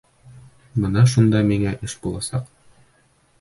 Бына шунда миңә эш буласаҡ.